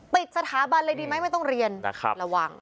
ปิดสถาบันเลยดีไหมไม่ต้องเรียนนะครับระวัง